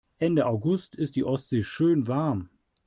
Ende August ist die Ostsee schön warm.